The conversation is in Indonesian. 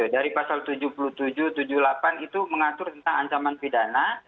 dari pasal tujuh puluh tujuh tujuh puluh delapan itu mengatur tentang ancaman pidana